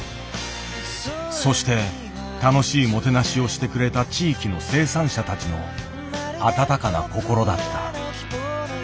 そして楽しいもてなしをしてくれた地域の生産者たちの温かな心だった。